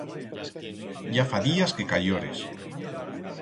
Ya fa días que cayiores.